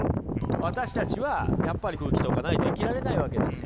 私たちはやっぱり空気とかないと生きられないわけですよ。